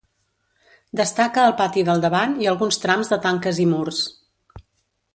Destaca el pati del davant i alguns trams de tanques i murs.